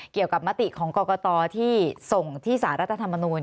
เกี่ยวกับมติของกรกตที่ส่งที่สหรัฐรัฐธรรมนุน